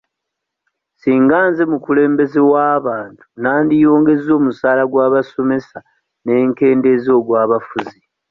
Singa nze mukulembeze w'abantu nandiyongeza omusaala gw'abasomesa ne nkendeeza ogw'abafuzi.